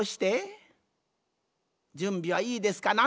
じゅんびはいいですかな？